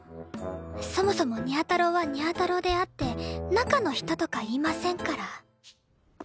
そもそもにゃ太郎はにゃ太郎であって中の人とかいませんから